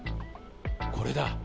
これだ。